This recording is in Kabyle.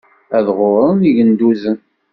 Ad ɣuren yigenduzen.